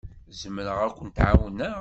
Zemreɣ ad kent-ɛawneɣ?